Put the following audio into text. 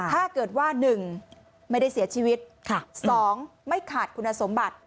ถ้าเกิดว่า๑ไม่ได้เสียชีวิต๒ไม่ขาดคุณสมบัติ